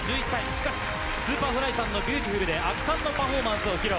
しかしＳｕｐｅｒｆｌｙの『Ｂｅａｕｔｉｆｕｌ』で圧巻のパフォーマンスを披露。